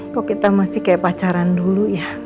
kok kita masih kayak pacaran dulu ya